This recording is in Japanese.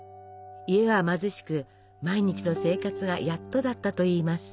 家は貧しく毎日の生活がやっとだったといいます。